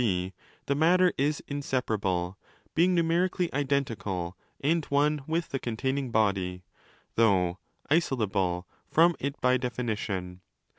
5 coming to be the matter is inseparable, being numerically identical and one with the 'containing' body, though isol able from it by definition.